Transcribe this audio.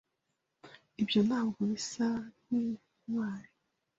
Ibyo ntabwo bisa nkintwari.